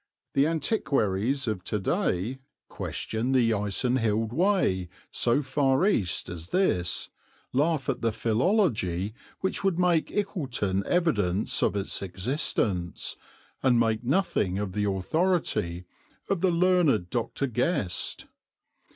The antiquaries of to day question the Icenhilde Way so far east as this, laugh at the philology which would make Ickleton evidence of its existence, and make nothing of the authority of the learned Dr. Guest.